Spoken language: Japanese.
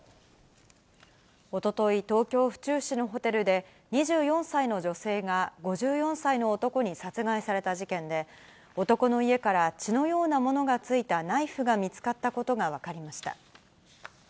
おととい、東京・府中市のホテルで、２４歳の女性が５４歳の男に殺害された事件で、男の家から血のようなものがついたナイフが見つかったことが分かりました。